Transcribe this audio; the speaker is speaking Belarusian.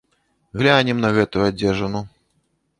Глянем на гэтую адзежыну.